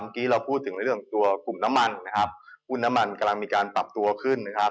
กลุ่มน้ำมันกำลังมีการปรับตัวขึ้น